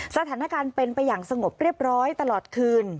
สถานการณ์เป็นไปอย่างสงบเรียบร้อยตลอดคืน